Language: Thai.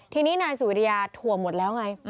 ทีนี้นายสุวิริยาถั่วหมดแล้วไง